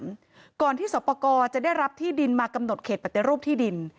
เจ้าหน้าที่สอบปลากรจะได้รับที่ดินมากำหนดเขตปัจจุรูปที่ดิน